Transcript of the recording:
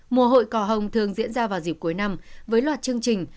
mùa hội cỏ hồng thường diễn ra vào dịp cuối năm với loạt chương trình